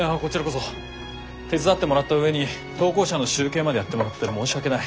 手伝ってもらった上に投稿者の集計までやってもらって申し訳ない。